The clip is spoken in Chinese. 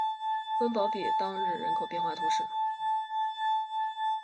翁堡比当日人口变化图示